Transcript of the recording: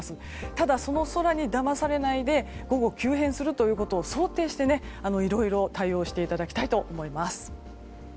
ただ、その空にだまされないで午後、急変することを想定していろいろ対応していただきたいと思います。